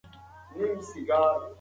څوک چې نه تسلیمېږي، هغه نه ناکامېږي.